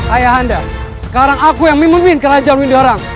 ayah anda sekarang aku yang memimpin kerajaan windu haram